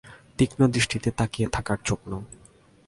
তীক্ষ্ণ দৃষ্টিতে তাকিয়ে থাকার চোখ নয়।